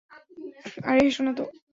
আরে, হেসো না তো!